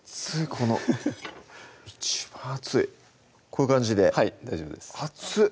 この一番熱いこういう感じではい大丈夫です熱っ！